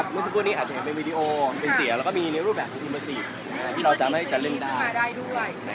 เมื่อสักครู่นี้อาจจะเห็นเป็นวีดีโอเป็นเสียแล้วก็มีรูปแบบธรรมสีที่เราจำให้จำเล่นได้